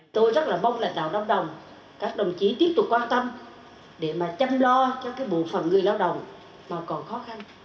tôi rất mong là đạo đồng đồng các đồng chí tiếp tục quan tâm để mà chăm lo cho bộ phận người lao động mà còn khó khăn